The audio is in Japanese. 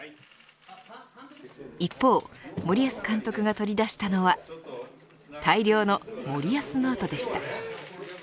一方、森保監督が取り出したのは大量の森保ノートでした。